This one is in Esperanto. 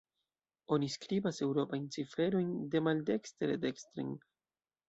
Oni skribas eŭropajn ciferojn demaldekstre-dekstren.